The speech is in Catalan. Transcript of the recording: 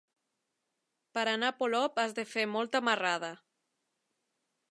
Per anar a Polop has de fer molta marrada.